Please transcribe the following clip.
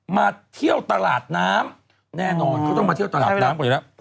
มาเที่ยวตลาดน้ำแน่นอนเขาต้องมาเที่ยวตลาดน้ำก่อนอยู่แล้ว